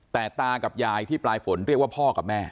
แต่ตากับยายที่ปลายฝนเรียกว่าพ่อกับแม่